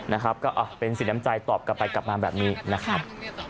นะครับก็เป็นสินน้ำใจตอบกลับไปกลับมาแบบนี้นะครับ